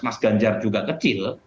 mas ganjar juga kecil